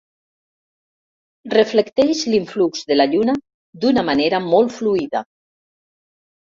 Reflecteix l'influx de la lluna d'una manera molt fluida.